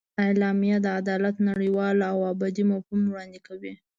اعلامیه د عدالت نړیوال او ابدي مفهوم وړاندې کوي.